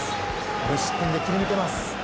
無失点で切り抜けます。